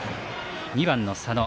２番の佐野。